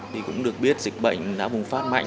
thì cũng được biết dịch bệnh đã bùng phát mạnh